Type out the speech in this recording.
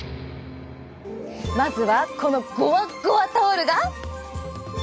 まずはこのゴワゴワタオルが。